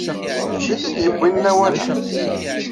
D acu ay t-id-yewwin lawan-a?